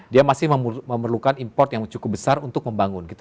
dia masih memerlukan import yang cukup besar untuk membangun